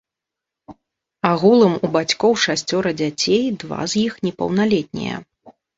Агулам у бацькоў шасцёра дзяцей, два з іх непаўналетнія.